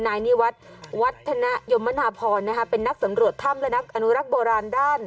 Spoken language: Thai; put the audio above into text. นายนี่วัดวัดธนยมนภพรนะฮะเป็นนักสำรวจทำและนักอนุรักษ์โบราณด้าน